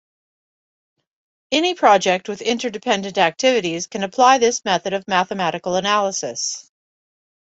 Any project with interdependent activities can apply this method of mathematical analysis.